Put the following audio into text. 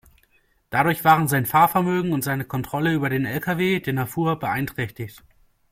Dadurch waren sein Fahrvermögen und seine Kontrolle über den Lkw, den er fuhr, beeinträchtigt.